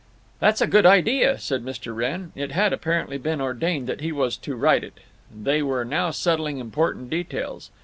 "That's a good idea," said Mr. Wrenn. It had, apparently, been ordained that he was to write it. They were now settling important details.